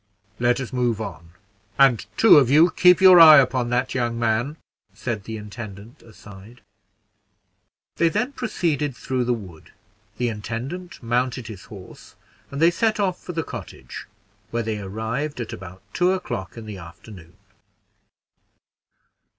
"Let us move on; and two of you keep your eye upon that young man," said the intendant aside. They then proceeded through the wood; the intendant mounted his horse, and they set off for the cottage, where they arrived at about two o'clock in the afternoon.